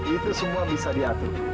itu semua bisa diatur